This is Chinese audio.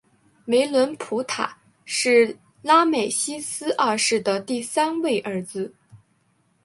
梅伦普塔是拉美西斯二世的第十三位儿子。